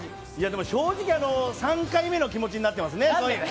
正直、３回目の気持ちになってますね。